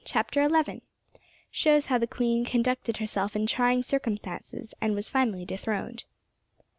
CHAPTER ELEVEN. SHOWS HOW THE QUEEN CONDUCTED HERSELF IN TRYING CIRCUMSTANCES, AND WAS FINALLY DETHRONED.